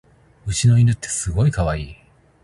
うちの犬ってすごいかわいい